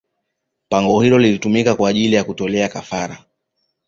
Pango hilo lilitumika kwa ajili ya kutolea kafara